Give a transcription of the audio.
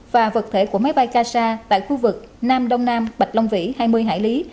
và vật thể của máy bay kasa tại khu vực nam đông nam bạch long vĩ hai mươi hải lý